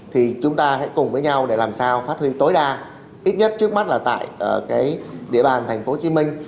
thì chúng ta hãy cùng với nhau để làm sao phát huy tối đa ít nhất trước mắt là tại cái địa bàn thành phố hồ chí minh